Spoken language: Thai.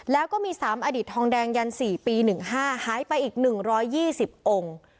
แล้วก็มีสามอดีตทองแดงยันสี่ปีหนึ่งห้าหายไปอีกหนึ่งร้อยยี่สิบองค์